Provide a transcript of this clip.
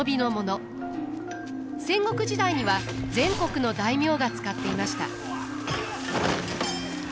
戦国時代には全国の大名が使っていました。